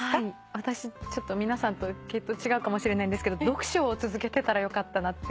私皆さんと系統違うかもしれないんですけど読書を続けてたらよかったなっていう。